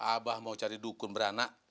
abah mau cari dukun beranak